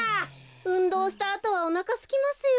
うんどうしたあとはおなかすきますよ。